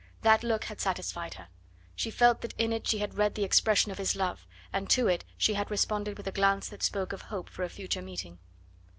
That look had satisfied her; she felt that in it she had read the expression of his love, and to it she had responded with a glance that spoke of hope for a future meeting.